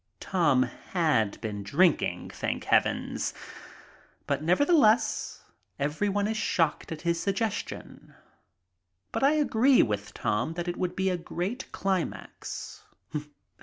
Tom had been drinking, thank heaven. But, neverthe less, everyone is shocked at his suggestion. But I agree with Tom that it would be a great climax.